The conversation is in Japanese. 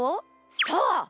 そう！